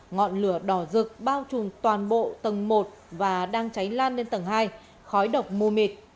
ngọn lửa đỏ rực bao trùm toàn bộ tầng một và đang cháy lan lên tầng hai khói độc mù mịt